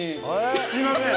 すいません！